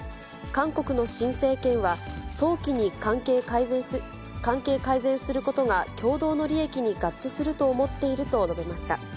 韓国の新政権は、早期に関係改善することが共同の利益に合致すると思っていると述べました。